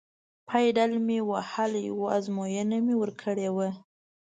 پایډل مې وهلی و، ازموینه مې ورکړې وه.